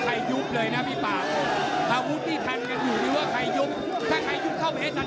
ให้โจทย์การเว้ยการเตะขวาเตะบัง